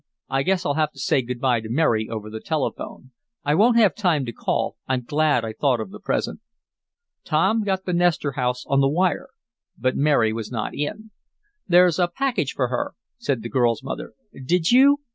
I guess I'll have to say good bye to Mary over the telephone. I won't have time to call. I'm glad I thought of the present." Tom got the Nestor house on the wire. But Mary was not in. "There's a package here for her," said the girl's mother. "Did you